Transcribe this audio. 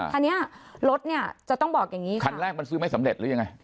คันนี้รถเนี่ยจะต้องบอกอย่างนี้คันแรกมันซื้อไม่สำเร็จหรือยังไง